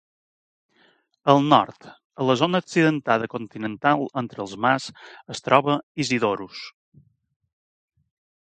Al nord, a la zona accidentada continental entre els mars es troba Isidorus.